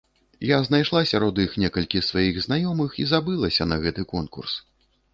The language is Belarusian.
Я знайшла сярод іх некалькі сваіх знаёмых і забылася на гэты конкурс.